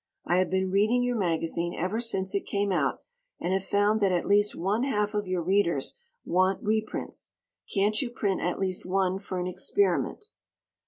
I have been reading your magazine ever since it came out and have found that at least one half of your Readers want reprints. Can't you print at least one for an experiment?